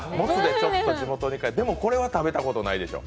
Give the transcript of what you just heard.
でも、これは食べたことないでしょ。